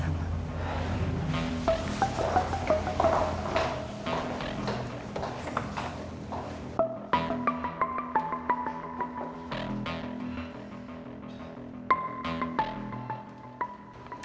ternyata gue beneran hamil